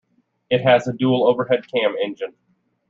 It has a dual overhead cam engine.